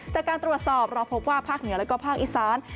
จากการตรวจสอบเราพบว่าภาคเหนือแล้วก็ภาคอีสาน